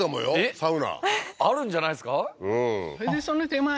サウナあるんじゃないですか？